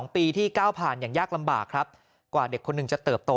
๒ปีที่ก้าวผ่านอย่างยากลำบากครับกว่าเด็กคนหนึ่งจะเติบโต